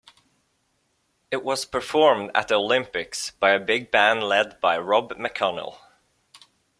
It was performed at the Olympics by a big band led by Rob McConnell.